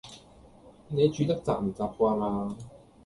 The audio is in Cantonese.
你住得習唔習慣呀